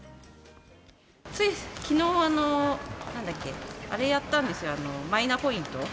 ついきのう、なんだっけ、あれやったんですよ、マイナポイント。